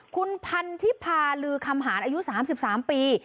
คุณพันธิพาลือคำหารอายุ๓๓ปี